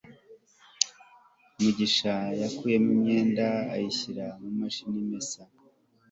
mugisha yakuyemo imyenda ayishyira mu mashini imesa